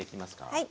はい。